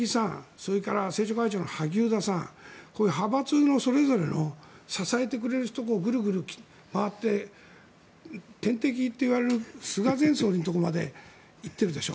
それから政調会長の萩生田さん派閥のそれぞれの支えてくれる人のところをグルグル回って天敵といわれる菅前総理のところまで行っているでしょ。